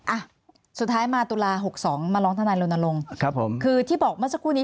อ่ะสุดท้ายมาตุลาหกสองมาร้องทนายรณรงค์ครับผมคือที่บอกเมื่อสักครู่นี้